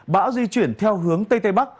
bão di chuyển theo hướng tây tây bắc